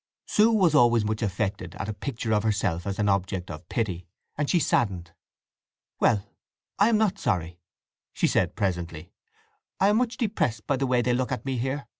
Sue was always much affected at a picture of herself as an object of pity, and she saddened. "Well—I am not sorry," said she presently. "I am much depressed by the way they look at me here.